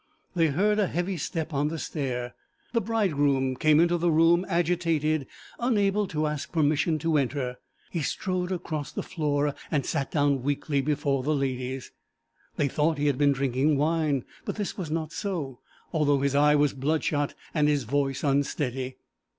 They heard a heavy step on the stair. The bridegroom came into the room, agitated, unable to ask permission to enter. He strode across the floor and sat down weakly before the ladies. They thought he had been drinking wine, but this was not so, although his eye was bloodshot and his voice unsteady.